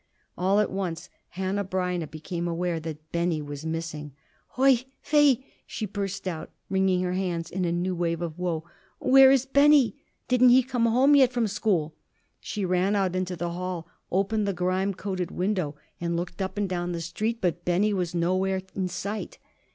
All at once Hanneh Breineh became aware that Benny was missing. "Oi weh!" she burst out, wringing her hands in a new wave of woe, "where is Benny? Didn't he come home yet from school?" She ran out into the hall, opened the grime coated window, and looked up and down the street; but Benny was nowhere in sight.